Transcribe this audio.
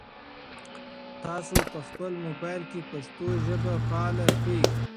تاسو په خپل موبایل کې پښتو ژبه فعاله کړئ.